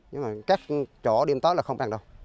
nhưng mà các chỗ đêm tối là không ăn đâu